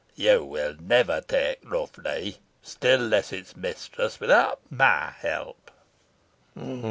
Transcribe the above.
You will never take Rough Lee, still less its mistress, without my help."